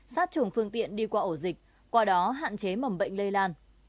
sát trùng phương tiện đi qua ổ dịch qua đó hạn chế mầm bệnh lây lan